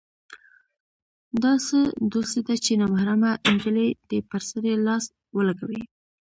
دا څه دوسي ده چې نامحرمه نجلۍ دې پر سړي لاس ولګوي.